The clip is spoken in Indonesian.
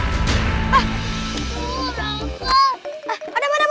hah aduh aduh aduh aduh